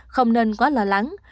không nên quá lo lắng